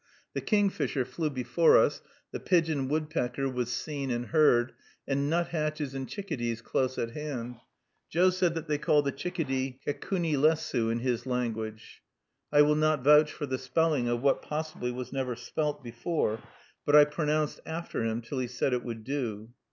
The kingfisher flew before us, the pigeon woodpecker was seen and heard, and nuthatches and chickadees close at hand. Joe said that they called the chickadee kecunnilessu in his language. I will not vouch for the spelling of what possibly was never spelt before, but I pronounced after him till he said it would do.